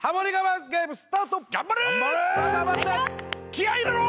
気合い入れろ！